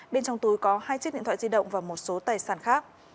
bên trong túi có hai chiếc điện thoại di động và một số tài sản khác